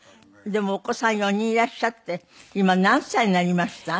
でもお子さん４人いらっしゃって今何歳になりました？